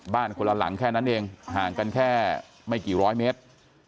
บ้านคนละหลังแค่นั้นเองห่างกันแค่ไม่กี่ร้อยเมตร